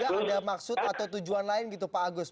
jadi anda curiga ada maksud atau tujuan lain gitu pak agus